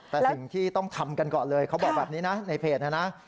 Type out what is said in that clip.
แต่สิ่งที่ต้องทำกันก่อนเลยเขาบอกแบบนี้นะในเพจนะนะ